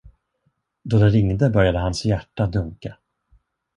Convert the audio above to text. Då det ringde, började hans hjärta dunka.